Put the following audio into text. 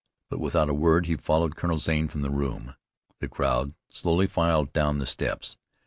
But without a word he followed Colonel Zane from the room. The crowd slowly filed down the steps.